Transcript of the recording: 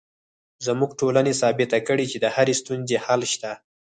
زموږ ټولنې ثابته کړې چې د هرې ستونزې حل شته